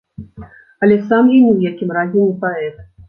Але сам я ні ў якім разе не паэт.